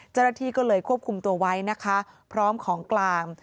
จรฐีก็เลยควบคุมตัวไว้นะคะพร้อมของกลาง